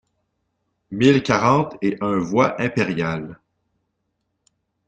mille quarante et un voie Impériale